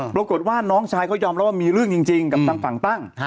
ปรากฏว่าน้องชายเขายอมรับว่ามีเรื่องจริงกับทางฝั่งตั้ง